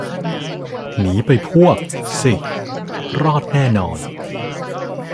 หนีไปพวก สิ รอดแน่นอน